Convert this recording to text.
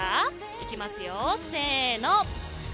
行きますよ、せーの。